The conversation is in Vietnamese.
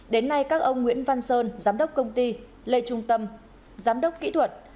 đến nay các ông nguyễn văn sơn giám đốc công ty lê trung tâm giám đốc kỹ thuật